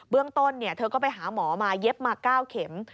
เรื่องต้นเธอก็ไปหาหมอมาเย็บมา๙เข็ม